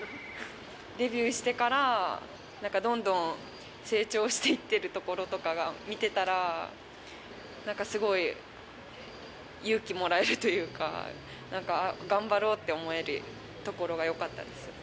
デビューしてからなんかどんどん成長していってるところとかが、見てたら、なんかすごい勇気もらえるというか、なんか頑張ろうって思えるところがよかったです。